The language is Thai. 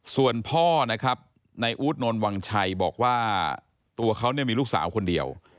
ส่วนพ่อนะครับในอู๊ดนนวังชัยบอกว่าตัวเขาเนี่ยมีลูกสาวคนเดียว